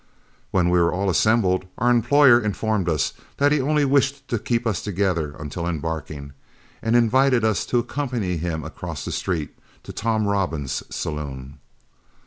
When we were all assembled, our employer informed us that he only wished to keep us together until embarking, and invited us to accompany him across the street to Tom Robbins's saloon.